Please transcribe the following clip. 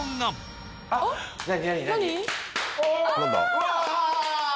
うわ！